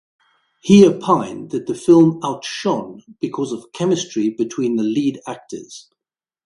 He opined that the film outshone because of chemistry between the lead actors.